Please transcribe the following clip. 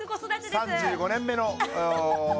３５年目のお。